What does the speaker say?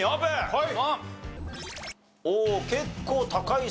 はい。